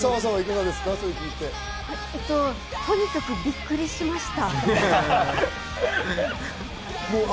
とにかくびっくりしました。